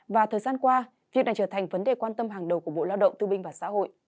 và thời gian qua việc này trở thành vấn đề quan tâm hàng đầu của bộ lao động tư binh và xã hội